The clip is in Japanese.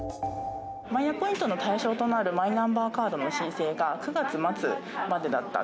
マイナポイントの対象となるマイナンバーカードの申請が９月末までだった。